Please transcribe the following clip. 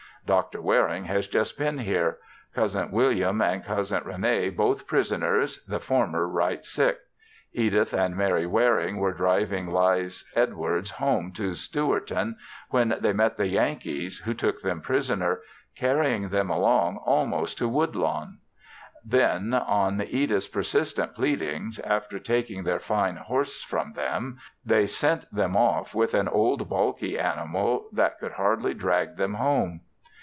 Dr. Waring has just been here; Cousin William and Cousin Rene both prisoners, the former right sick. Edith and Mary Waring were driving Leize Edwards home to Stewarton when they met the Yankees, who took them prisoner, carrying them along almost to Woodlawn; then, on Edith's persistent pleadings, after taking their fine horse from them, they sent them off with an old balky animal that could hardly drag them home.